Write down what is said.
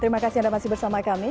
terima kasih anda masih bersama kami